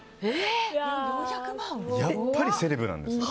やっぱりセレブなんですね。